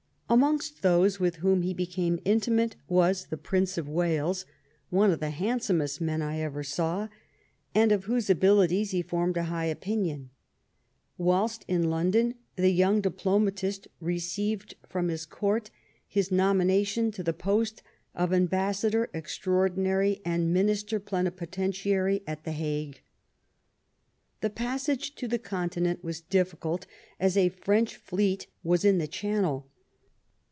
Amongst those with whom he became intimate was the Prince of W^ales, " one of the handsomest men I ever saw," and of whose abilities he formed a high opinion. Whilst in London, the young diplomatist received from his Court his nomination to the post of Ambassador Extraordinary and Minister Plenipo tentiary at the Hague, The passage to the Continent was difficult, as a French fleet was in the channel.